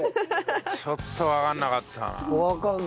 ちょっとわかんなかったな。